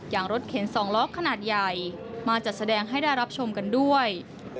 รถเข็นสองล้อขนาดใหญ่มาจัดแสดงให้ได้รับชมกันด้วย